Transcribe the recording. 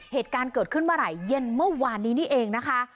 เหตุการณ์เกิดขึ้นมาหลายเย็นเมื่อวานนี้เองนะคะ